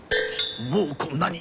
もうこんなに